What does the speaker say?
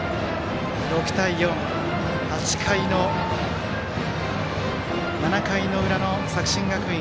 ６対４、７回の裏の作新学院。